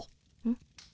ん？